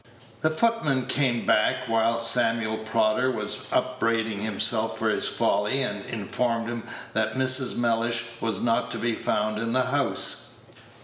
The footman came back while Samuel Prodder was upbraiding himself for his folly, and informed him that Mrs. Mellish was not to be found in the house.